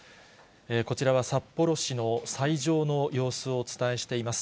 こちらは札幌市の斎場の様子をお伝えしています。